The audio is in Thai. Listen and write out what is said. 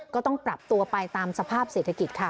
ก็ต้องปรับตัวไปตามสภาพเศรษฐกิจค่ะ